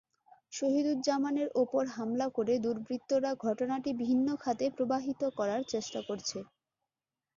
সহিদুজ্জামানের ওপর হামলা করে দুর্বৃত্তরা ঘটনাটি ভিন্ন খাতে প্রবাহিত করার চেষ্টা করছে।